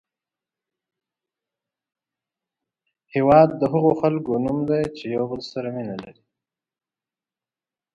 هېواد د هغو خلکو نوم دی چې یو بل سره مینه لري.